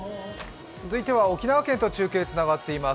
続いては沖縄県と中継つながっています。